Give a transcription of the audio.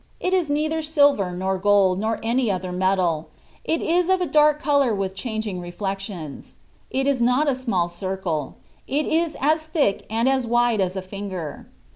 It is neither silver, nor gold, nor any other metal : it is of a dark colour with changing reflections ; it is not a small circle, it is as thick and as wide as a finger.